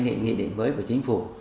theo nghị định mới của chính phủ